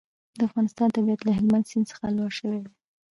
د افغانستان طبیعت له هلمند سیند څخه جوړ شوی دی.